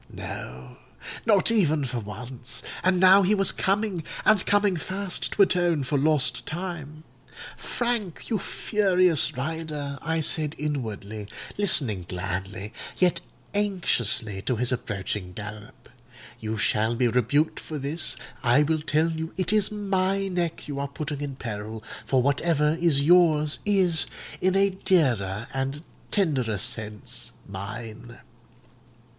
No—not even for once; and now he was coming—and coming fast—to atone for lost time. 'Frank! you furious rider,' I said inwardly, listening gladly, yet anxiously, to his approaching gallop, 'you shall be rebuked for this: I will tell you it is my neck you are putting in peril; for whatever is yours is, in a dearer and tenderer sense, mine.